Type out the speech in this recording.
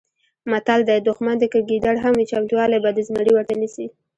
متل دی: دوښمن دې که ګیدړ هم وي چمتوالی به د زمري ورته نیسې.